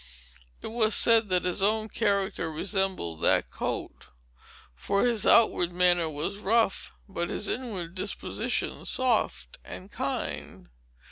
It was said that his own character resembled that coat, for his outward manner was rough, but his inward disposition soft and kind.